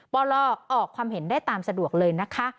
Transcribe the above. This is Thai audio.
ปลออกความเห็นได้ตามสะดวกเลยนะคะ